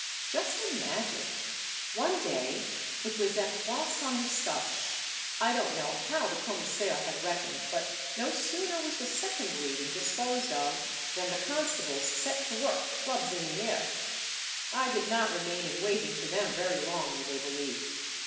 Just imagine ! One day — it was at Pointe Saint Eustache — I don't know how the commissaire had reckoned, but no sooner was the second read ing disposed of than the constables set to work, clubs in the air. I did not remain in waiting for them very long, you may believe.